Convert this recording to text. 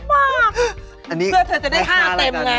เกลือเธอจะได้ค่าเต็มไง